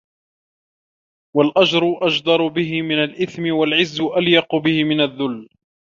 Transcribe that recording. وَالْأَجْرُ أَجْدَرُ بِهِ مِنْ الْإِثْمِ وَالْعِزُّ أَلْيَقُ بِهِ مِنْ الذُّلِّ